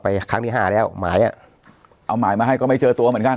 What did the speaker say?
ครั้งที่ห้าแล้วหมายอ่ะเอาหมายมาให้ก็ไม่เจอตัวเหมือนกัน